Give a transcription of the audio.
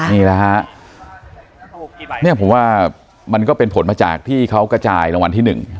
นี่แหละฮะเนี่ยผมว่ามันก็เป็นผลมาจากที่เขากระจายรางวัลที่๑